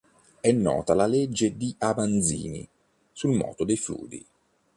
È nota la Legge di Avanzini sul moto dei fluidi.